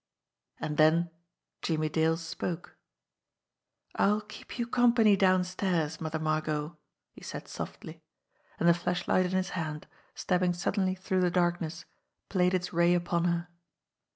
And then Jimmie Dale spoke. "I'll keep you company downstairs, Mother Margot," he said softly and the flashlight in his hand, stabbing suddenly through the darkness, played its ray upon her.